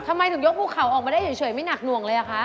ทำไมถึงยกภูเขาออกมาได้เฉยไม่หนักหน่วงเลยอะคะ